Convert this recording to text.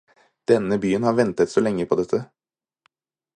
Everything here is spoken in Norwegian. Denne byen har ventet så lenge på dette.